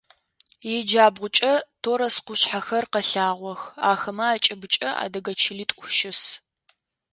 Иджабгъукӏэ Торос къушъхьэхэр къэлъагъох, ахэмэ акӏыбыкӏэ адыгэ чылитӏу щыс.